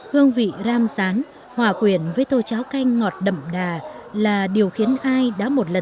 hương vị ram sáng hòa quyển với tô cháo canh ngọt đậm đà là điều khiến ai đá một lần